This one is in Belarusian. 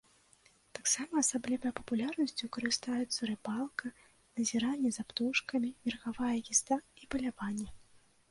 Таксама асаблівай папулярнасцю карыстаюцца рыбалка, назіранне за птушкамі, верхавая язда і паляванне.